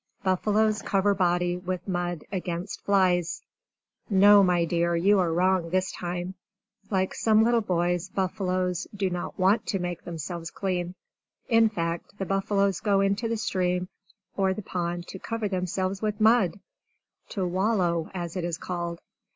Buffaloes Cover Body with Mud against Flies No, my dear, you are wrong this time! Like some little boys, buffaloes do not want to make themselves clean! In fact, the buffaloes go into the stream or the pond to cover themselves with mud! To wallow, as it is called.